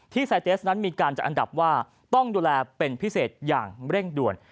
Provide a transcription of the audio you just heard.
ไซเตสนั้นมีการจัดอันดับว่าต้องดูแลเป็นพิเศษอย่างเร่งด่วน